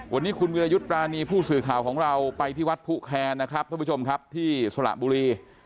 วันนี้คุณวิวายุทธ์ปราณีผู้สื่อข่าวของเราไปพี่วัดภกัยแคร์นะครับที่สหบุรี